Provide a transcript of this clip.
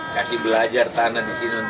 kasih belajar tanah di sini